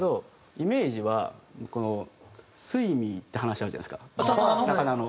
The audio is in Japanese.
イメージは『スイミー』って話あるじゃないですか魚の。